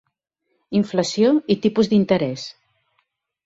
Inflació i tipus d'interès.